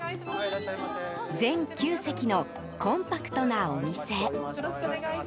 全９席のコンパクトなお店。